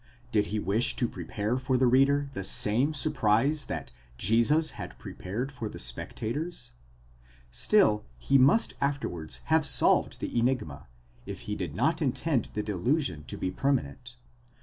Did he wish to prepare for the reader the same surprise that Jesus had prepared for the spectators? still he must afterwards have solved the enigma, if he did not intend the delusion to be permanent.